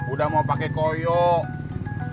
udah mau pakai koyok